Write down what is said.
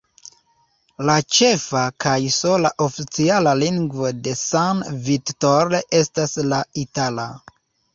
La ĉefa kaj sola oficiala lingvo de San Vittore estas la itala.